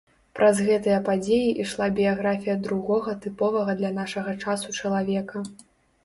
Праз гэтыя падзеі ішла біяграфія другога тыповага для нашага часу чалавека.